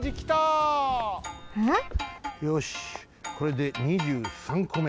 よしこれで２３こめ。